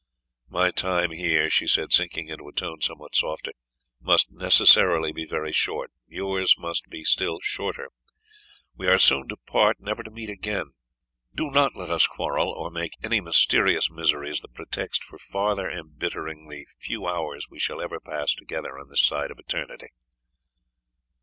My time here," she said, sinking into a tone somewhat softer, "must necessarily be very short; yours must be still shorter: we are soon to part never to meet again; do not let us quarrel, or make any mysterious miseries the pretext for farther embittering the few hours we shall ever pass together on this side of eternity."